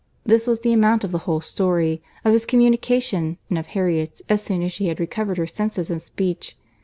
This was the amount of the whole story,—of his communication and of Harriet's as soon as she had recovered her senses and speech.